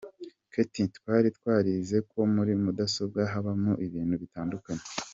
Ketia: Twari twarize ko muri mudasobwa habamo ibintu bitandukanye.